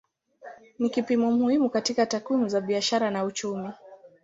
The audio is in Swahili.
Ni kipimo muhimu katika takwimu za biashara na uchumi.